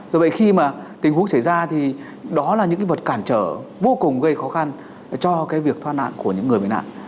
do vậy khi mà tình huống xảy ra thì đó là những cái vật cản trở vô cùng gây khó khăn cho cái việc thoát nạn của những người bị nạn